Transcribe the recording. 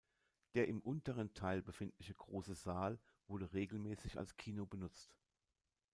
Der im unteren Teil befindliche große Saal wurde regelmäßig als Kino benutzt.